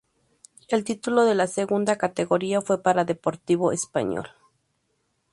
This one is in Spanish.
El título de la segunda categoría fue para Deportivo Español.